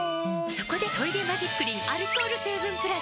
そこで「トイレマジックリン」アルコール成分プラス！